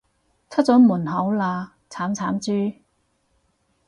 出咗門口喇，慘慘豬